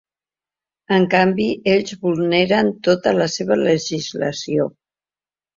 En canvi, ells vulneren tota la seva legislació.